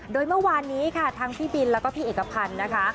โดยเมื่อวานนี้ค่ะทั้งพี่บินแล้วก็พี่เอกพันธ์นะคะ